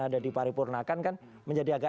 ada diparipurnakan kan menjadi agak